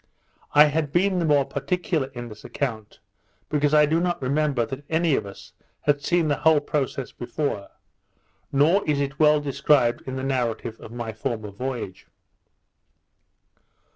I have been the more particular in this account, because I do not remember that any of us had seen the whole process before; nor is it well described in the narrative of my former voyage.